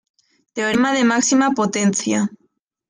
Teorema de máxima potencia